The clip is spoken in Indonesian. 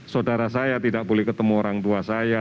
saudara saya tidak boleh ketemu orang tua saya